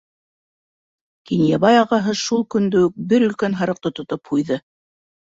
Кинйәбай ағаһы шул көндө үк бер өлкән һарыҡты тотоп һуйҙы.